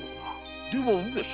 では上様。